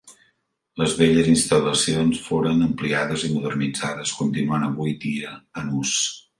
Les velles instal·lacions foren ampliades i modernitzades, continuant avui dia en ús.